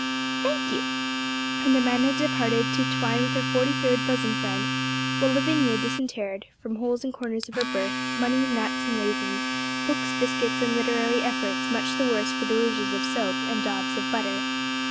'Thank you,' and Amanda departed to twine with her forty third bosom friend, while Lavinia disinterred, from holes and corners of her berth, money, nuts, and raisins; books, biscuits, and literary efforts much the worse for deluges of soap and daubs of butter.